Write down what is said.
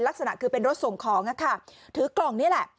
ลักษณะคือเป็นรถส่งของค่ะถือกล่องนี่แหละ